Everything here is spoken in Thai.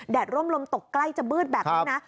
ร่มลมตกใกล้จะมืดแบบนี้นะ